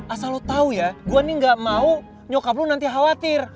asal lo tau ya gue nih gak mau nyokap lo nanti khawatir